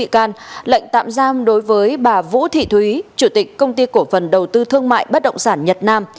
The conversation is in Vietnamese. chủ tịch công ty cổ phần đầu tư thương mại bất động sản nhật nam